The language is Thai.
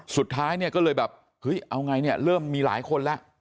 สุดท้ายเนี่ยก็เลยแบบเฮ้ยเอาไงเนี่ยเริ่มมีหลายคนแล้ว